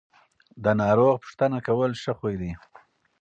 د ناروغ پوښتنه کول ښه خوی دی.